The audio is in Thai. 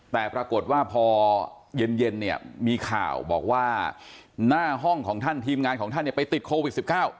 แต่ปรากฏว่าพอเย็นเนี่ยมีข่าวบอกว่าหน้าห้องของท่านทีมงานของท่านเนี่ยไปติดโควิด๑๙